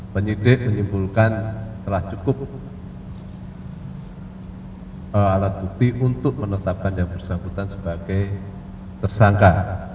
penyidik menyimpulkan telah cukup alat bukti untuk menetapkan yang bersangkutan sebagai tersangka